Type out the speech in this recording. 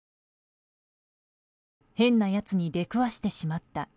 変なやつに出くわしてしまった。